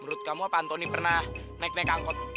menurut kamu pak antoni pernah naik naik angkot